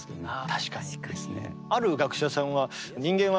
確かに。